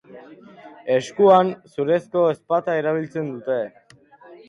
Eskuan zurezko ezpata erabiltzen dute.